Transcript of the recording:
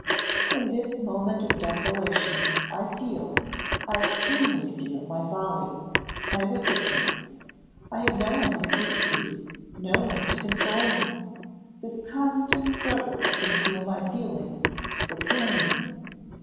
In this moment of desolation, I feel, I keenly feel, my folly, my wickedness. I have no one to speak to, no one to console me. This constant struggle to conceal my feelings will kill me.